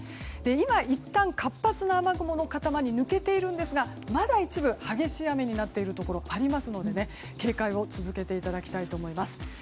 今、いったん活発な雨雲の塊は抜けているんですがまだ一部で激しい雨になっているところがありますので警戒を続けていただきたいと思います。